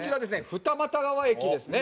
二俣川駅ですね。